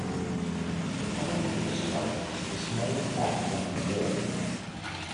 The common pipistrelle is the smallest bat found in Europe.